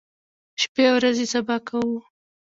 شپې او ورځې سبا کوو.